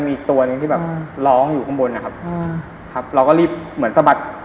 มันมองอยู่ข้างบนนะครับเราก็รีบเหมือนสะบัด